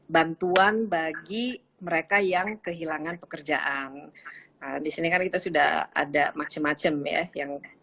bantuan bagi mereka yang kehilangan pekerjaan di sini kan kita sudah ada macem macem ya yang